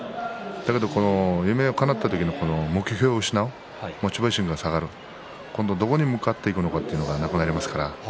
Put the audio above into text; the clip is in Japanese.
でも夢がかなった時に目標を失うモチベーションが下がると今度はどこに向かっていくのかというところがなくなりました。